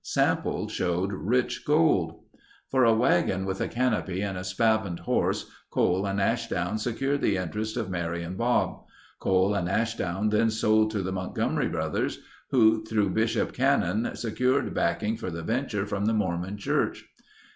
Samples showed rich gold. For a wagon with a canopy and a spavined horse Cole and Ashdown secured the interest of Mary and Bob. Cole and Ashdown then sold to the Montgomery brothers, who through Bishop Cannon secured backing for the venture from the Mormon Church.